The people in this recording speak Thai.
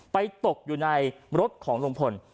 ตกอยู่ในรถของลุงพล